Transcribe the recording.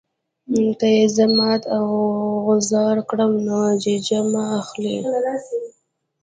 که یې زه مات او غوځار کړم نو ججه مه اخلئ.